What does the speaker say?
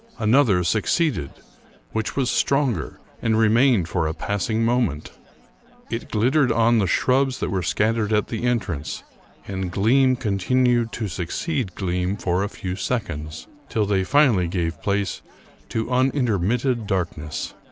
Another succeeded, which was stronger, and remained for a passing moment. It glittered on the shrubs that were scattered at the entrance, and gleam continued to succeed gleam for a few seconds, till they finally gave place to unintermitted darkness.